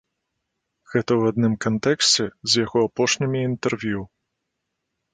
Гэта ў адным кантэксце з яго апошнімі інтэрв'ю.